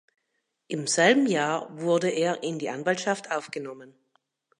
Im selben Jahr wurde er in die Anwaltschaft aufgenommen.